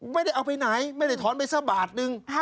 ไม่ได้เอาไปไหนไม่ได้ถอนไปสักบาทนึง